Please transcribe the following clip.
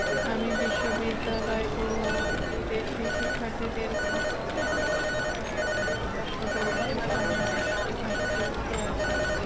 আমি বিশ্ববিদ্যালয়পড়ুয়া বিদেশি শিক্ষার্থীদের মানোন্নয়ন, দক্ষতা বৃদ্ধিসহ নানা কাজের সঙ্গে যুক্ত আছি।